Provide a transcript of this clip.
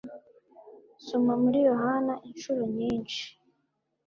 soma muri yohana incuro nyinshi